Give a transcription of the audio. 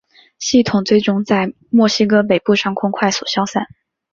系统最终在墨西哥北部上空快速消散。